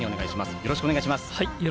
よろしくお願いします。